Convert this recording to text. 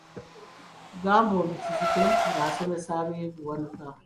Gambobbi Kizito ng'asomesa ab'e Buwanuka .